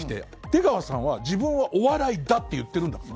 出川さんは自分はお笑いだって言ってるんだもん。